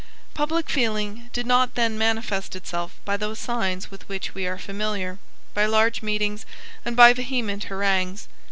Public feeling did not then manifest itself by those signs with which we are familiar, by large meetings, and by vehement harangues.